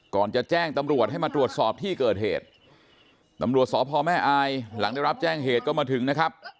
ก่อนจะแจ้งตำรวจให้มาตรวจสอบที่เกิดเหตุตำรวจสพแม่อายหลังได้รับแจ้งเหตุก็มาถึงนะครับ